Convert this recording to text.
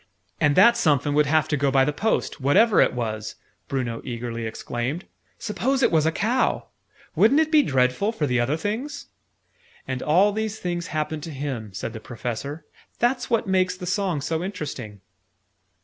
"And that somefin would have to go by the post, what ever it was!" Bruno eagerly exclaimed. "Suppose it was a cow! Wouldn't it be dreadful for the other things!" "And all these things happened to him," said the Professor. "That's what makes the song so interesting."